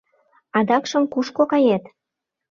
Адакшым кушко кает?